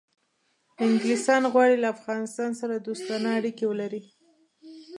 انګلیسان غواړي له افغانستان سره دوستانه اړیکې ولري.